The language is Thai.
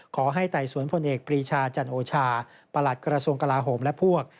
ไต่สวนพลเอกปรีชาจันโอชาประหลัดกระทรวงกลาโหมและพวก